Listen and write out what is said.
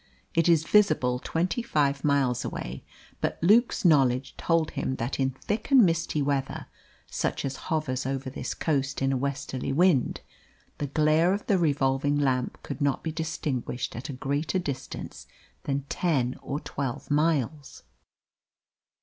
It is visible twenty five miles away; but Luke's knowledge told him that in thick and misty weather, such as hovers over this coast in a westerly wind, the glare of the revolving lamp could not be distinguished at a greater distance than ten or twelve miles.